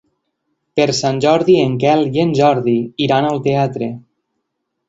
Per Sant Jordi en Quel i en Jordi iran al teatre.